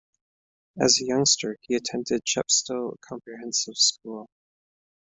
As a youngster he attended Chepstow Comprehensive School.